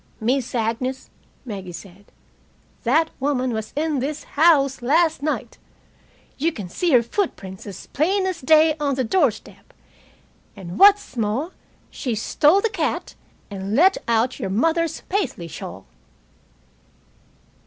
"Miss Agnes," Maggie said, "that woman was in this house last night. You can see her footprints as plain as day on the doorstep. And what's more, she stole the cat and let out your mother's Paisley shawl."